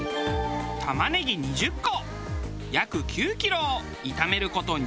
玉ねぎ２０個約９キロを炒める事２時間。